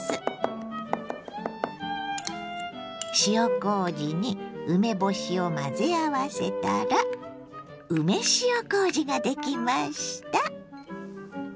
塩こうじに梅干しを混ぜ合わせたら梅塩こうじができました。